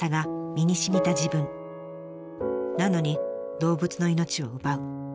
なのに動物の命を奪う。